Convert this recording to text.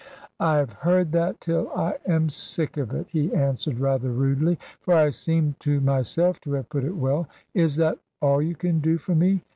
"I have heard that till I am sick of it," he answered rather rudely, for I seemed to myself to have put it well: "is that all you can do for me?